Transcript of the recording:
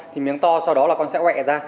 thì miếng to sau đó là con sẽ quẹ ra